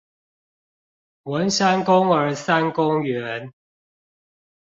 文山公兒三公園